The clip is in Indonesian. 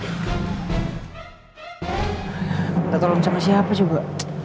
gak tau tolong sama siapa juga